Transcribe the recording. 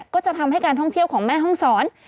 ก็จะทำให้การท่องเที่ยวของแม่ห้องศร